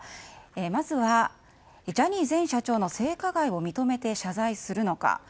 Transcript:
まずはジャニー前社長の性加害を認めて謝罪するのか。